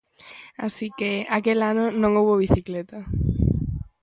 Así que, aquel ano non houbo bicicleta.